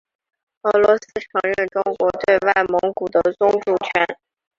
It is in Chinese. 俄罗斯承认中国对外蒙古的宗主权。